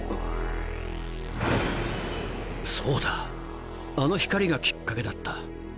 そうだあの光がきっかけだった